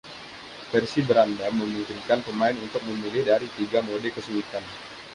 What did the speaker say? Versi beranda memungkinkan pemain untuk memilih dari tiga mode kesulitan.